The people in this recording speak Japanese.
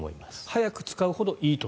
早く使うほどいいと。